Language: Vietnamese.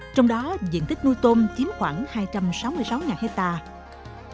trong đó diện tích nuôi tôm chiếm khoảng hai trăm sáu mươi sáu hectare